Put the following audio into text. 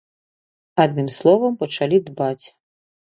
Адным словам, пачалі дбаць.